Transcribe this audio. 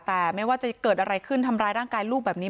แต่ไม่ว่าจะเกิดอะไรขึ้นทำร้ายร่างกายลูกแบบนี้